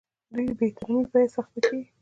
دوی د بې احترامۍ په حس اخته کیږي.